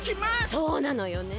そうなのよね。